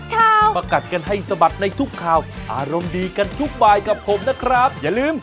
ก็เป็นวัดสำคัญ